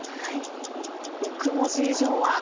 ６文字以上は。